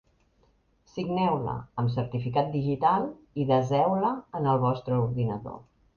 Signeu-la amb certificat digital i deseu-la en el vostre ordinador.